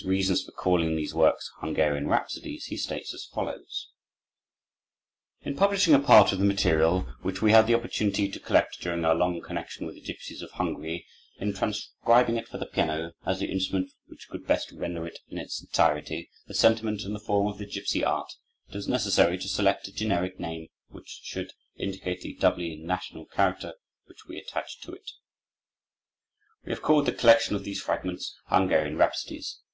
His reasons for calling these works Hungarian Rhapsodies he states as follows: "In publishing a part of the material which we had the opportunity to collect during our long connection with the gipsies of Hungary, in transcribing it for the piano, as the instrument which could best render, in its entirety, the sentiment and the form of the gipsy art, it was necessary to select a generic name which should indicate the doubly national character which we attach to it. "We have called the collection of these fragments 'Hungarian Rhapsodies.